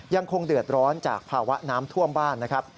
ยังคงเดือดร้อนจากภาวะน้ำท่วมบ้านนะครับ